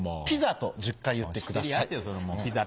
ピザと１０回言ってください。